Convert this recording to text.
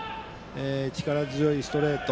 力強いストレート